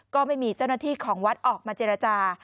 ก็ไม่มีเจ้าหน้าที่ของวัดออกมาเจรจา